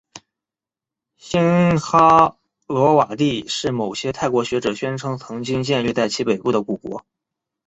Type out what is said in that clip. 辛哈罗瓦帝是某些泰国学者宣称曾经建立在其北部的古国。